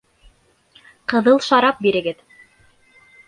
Ҡыҙыл шарап бирегеҙ